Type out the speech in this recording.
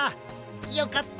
よかった！